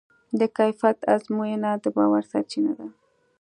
د کیفیت ازموینه د باور سرچینه ده.